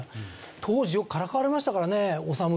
当時よくからかわれましたからね。